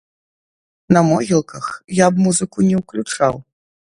На могілках я б музыку не ўключаў.